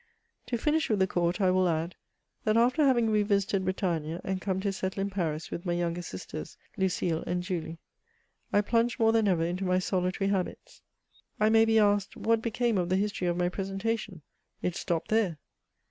To finish with the court, I will add, that after having revisited Bretagne, and come to settle in Paris with my younger sisters, Lucile and JuHe, I plunged more than ever into my soUtary hahits. I may be asked, what became of the f history of my presentation ? It stopped there.